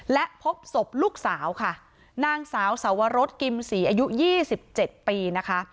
และพบศพลูกสาวค่ะนางสาวสวรสกิมศรีอายุ๒๗ปีนะคะ